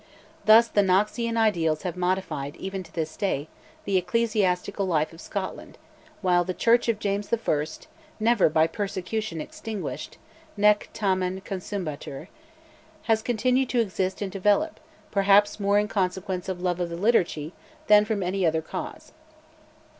Thus the Knoxian ideals have modified, even to this day, the ecclesiastical life of Scotland, while the Church of James I., never by persecution extinguished (nec tamen consumebatur), has continued to exist and develop, perhaps more in consequence of love of the Liturgy than from any other cause.